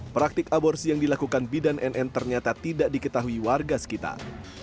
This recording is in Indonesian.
praktik aborsi yang dilakukan bidan nn ternyata tidak diketahui warga sekitar